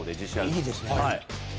いいですね。